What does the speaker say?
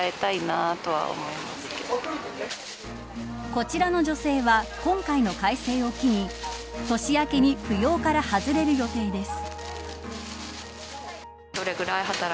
こちらの女性は今回の改正を機に年明けに扶養から外れる予定です。